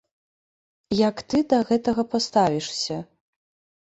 Як ты да гэтага паставішся?